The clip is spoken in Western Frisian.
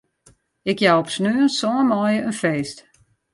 Ik jou op sneon sân maaie in feest.